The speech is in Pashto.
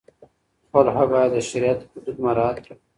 خلع باید د شریعت حدود مراعت کړي.